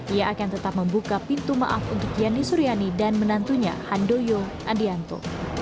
ia akan tetap membuka pintu maaf untuk yani suryani dan menantunya handoyo andianto